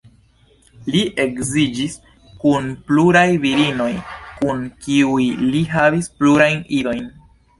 Li edziĝis kun pluraj virinoj kun kiuj li havis plurajn idojn.